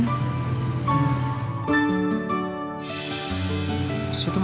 terus itu ngapain buat kamu